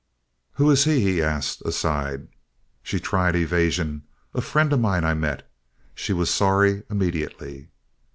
"Who is he?" he asked, aside. She tried evasion. "A friend of mine I met." She was sorry immediately.